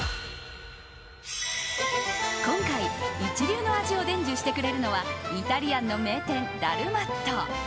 今回、一流の味を伝授してくれるのはイタリアンの名店ダルマット。